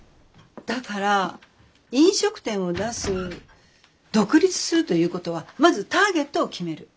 だから飲食店を出す独立するということはまずターゲットを決める。